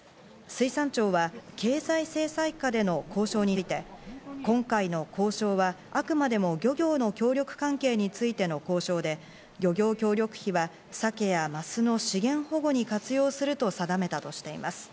水産庁は経済制裁下での交渉について、今回の交渉は、あくまでも漁業の協力関係についての交渉で、漁業協力費はサケやマスの資源保護に活用すると定めたとしています。